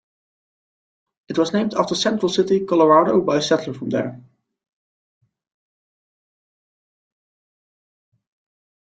It was named after Central City, Colorado, by a settler from there.